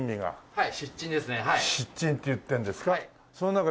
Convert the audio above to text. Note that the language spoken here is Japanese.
はい。